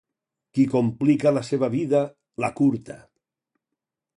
Qui complica la seva vida, l'acurta.